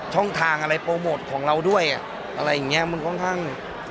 ช่องทางอะไรโปรโมทของเราด้วยอะไรอย่างนี้มันค่อนข้าง